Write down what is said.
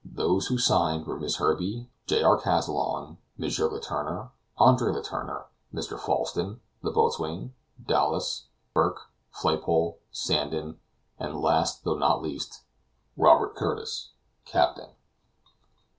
Those who signed were Miss Herbey, J. R. Kazallon, M. Letourneur, Andre Letourneur, Mr. Falsten, the boatswain, Dowlas, Burke, Flaypole, Sandon, and last, though not least, "Robert Curtis, Captain."